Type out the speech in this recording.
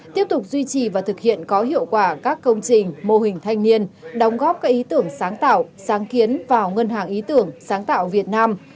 tiếp tục duy trì và thực hiện có hiệu quả các công trình mô hình thanh niên đóng góp các ý tưởng sáng tạo sáng kiến vào ngân hàng ý tưởng sáng tạo việt nam